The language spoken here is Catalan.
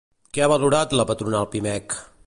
Què ha valorat la patronal Pimec?